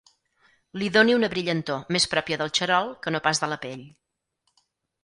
Li doni una brillantor més pròpia del xarol que no pas de la pell.